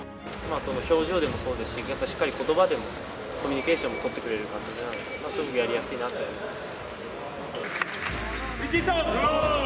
表情でもそうですし、しっかりことばでもコミュニケーションも取ってくれる監督だから、すごくやりやすいなと思います。